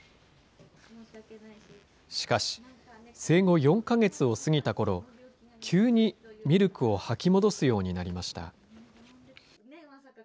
しかし、生後４か月を過ぎたころ、急にミルクを吐き戻すようになりました。